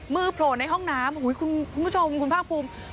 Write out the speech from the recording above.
โผล่ในห้องน้ำคุณผู้ชมคุณภาคภูมิ